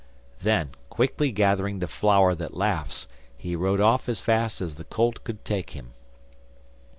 Then, quickly gathering the flower that laughs, he rode off as fast as the colt could take him.